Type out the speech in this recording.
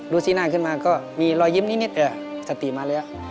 สีหน้าขึ้นมาก็มีรอยยิ้มนิดแต่สติมาแล้ว